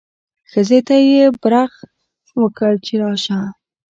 ښځې ته یې برغ وکړ چې راشه.